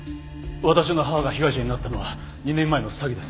私の母が被害者になったのは２年前の詐欺です。